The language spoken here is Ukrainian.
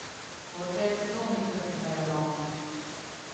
— Отець ноги тобі переламне.